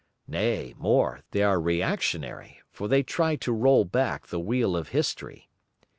Nay more, they are reactionary, for they try to roll back the wheel of history.